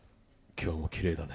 今日もきれいだね。